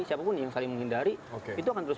siapapun yang saling menghindari itu akan terus